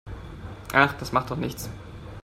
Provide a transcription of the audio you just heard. Ach, das macht doch nichts.